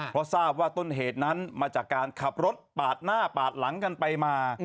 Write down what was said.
เพราะทราบว่าต้นเหตุนั้นมาจากการขับรถปาดหน้าปาดหลังกันไปมา